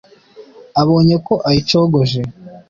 Abonye ko ayicogoje,